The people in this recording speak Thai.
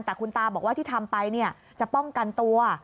แต่คุณตาบอกว่าที่ทำไปจะป้องกันตัว